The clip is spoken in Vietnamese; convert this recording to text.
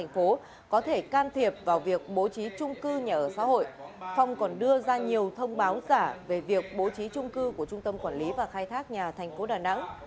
phong còn đưa ra nhiều thông báo giả về việc bố trí trung cư của trung tâm quản lý và khai thác nhà thành phố đà nẵng